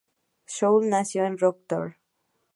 Schulz nació en Rostock.